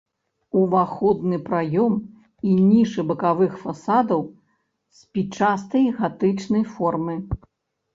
Уваходны праём і нішы бакавых фасадаў спічастай гатычнай формы.